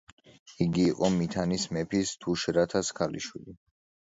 იგი იყო მითანის მეფის თუშრათას ქალიშვილი.